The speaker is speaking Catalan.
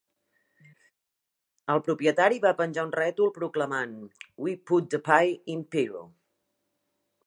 El propietari va penjar un rètol proclamant, We Put The Pie In Piru.